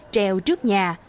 treo trước nhà